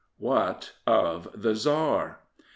Wliat of the Tsar ?